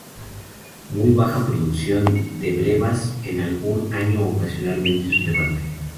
Muy baja producción de brevas, en algún año ocasionalmente, irrelevante.